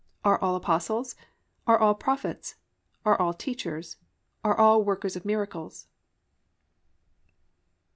(29) Are all apostles? are all prophets? are all teachers? are all workers of miracles?